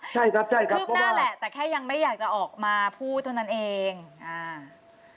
ใช่ครับใช่ครับคืบหน้าแหละแต่แค่ยังไม่อยากจะออกมาพูดเท่านั้นเองอ่า